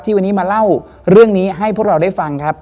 วันนี้มาเล่าเรื่องนี้ให้พวกเราได้ฟังครับ